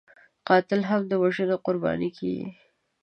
قاتل هم د وژنې قرباني کېږي